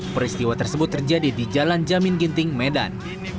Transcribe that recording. peristiwa tersebut terjadi di jalan jamin ginting medan